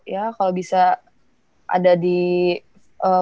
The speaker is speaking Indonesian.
ya kalo bisa ada di pre filmen